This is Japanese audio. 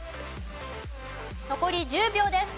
残り１０秒です。